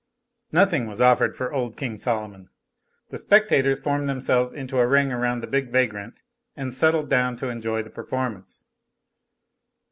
Nothing was offered for old King Solomon. The spectators formed themselves into a ring around the big vagrant, and settled down to enjoy the performance.